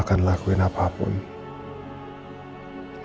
kemarin hari ini